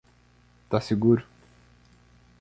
Tá seguro.